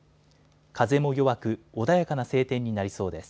風も弱く穏やかな晴天になりそうです。